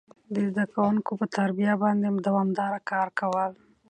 د زده کوونکو پر تربيه باندي دوامداره کار کول،